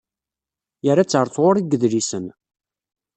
Yerra-tt ɣer tɣuri n yedlisen.